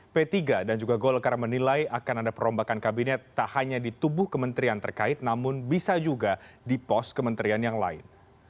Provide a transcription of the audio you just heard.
p tiga dan juga golkar menilai akan ada perombakan kabinet tak hanya di tubuh kementerian terkait namun bisa juga di pos kementerian yang lain